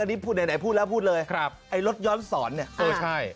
อันนี้พูดไหนไหนพูดแล้วพูดเลยครับไอ้รถย้อนสอนเนี่ยเออใช่